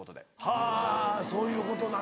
はぁそういうことなのか。